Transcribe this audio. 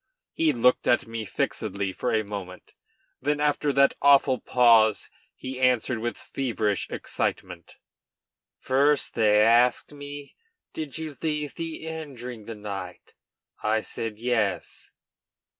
He looked at me fixedly for a moment; then, after that awful pause, he answered with feverish excitement: "First they asked me, 'Did you leave the inn during the night?' I said, 'Yes.'